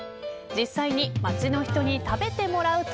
実際に街の人に食べてもらうと。